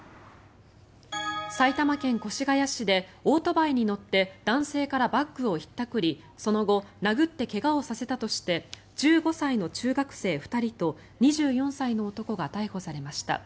埼玉県越谷市でオートバイに乗って男性からバッグをひったくりその後、殴って怪我をさせたとして１５歳の中学生２人と２４歳の男が逮捕されました。